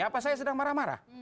apa saya sedang marah marah